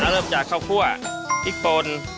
เรริมจากข้าวข้วพริกพร้อน